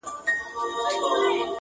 رسېدلى وو يو دم بلي دنيا ته.